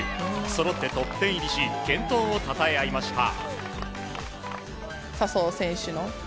そろってトップ１０入りし健闘をたたえ合いました。